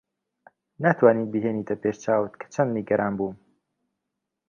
ناتوانیت بیهێنیتە پێش چاوت کە چەند نیگەران بووم.